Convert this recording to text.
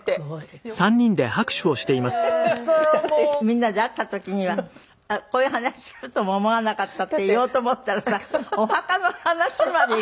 みんなで会った時にはこういう話するとも思わなかったって言おうと思ったらさお墓の話までいくとは思わなかったやっぱりね。